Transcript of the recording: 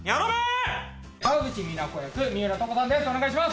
河口美奈子役三浦透子さんです